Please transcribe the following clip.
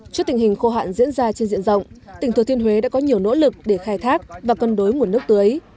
trước tình hình khô hạn diễn ra trên diện rộng tỉnh thừa thiên huế đã có nhiều nỗ lực để khai thác và cân đối nguồn nước tưới